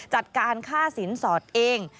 จัดการค่าสินสอดเอง